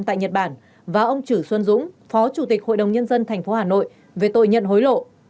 tại nhật bản và ông trữ xuân dũng phó chủ tịch ubnd tp hà nội về tội nhận hối lộ